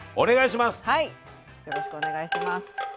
よろしくお願いします。